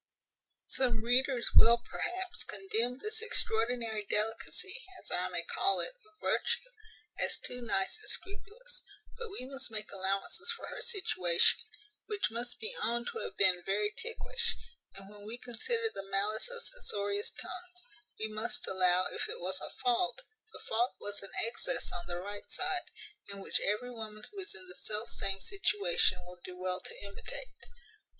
Some readers will, perhaps, condemn this extraordinary delicacy, as I may call it, of virtue, as too nice and scrupulous; but we must make allowances for her situation, which must be owned to have been very ticklish; and, when we consider the malice of censorious tongues, we must allow, if it was a fault, the fault was an excess on the right side, and which every woman who is in the self same situation will do well to imitate.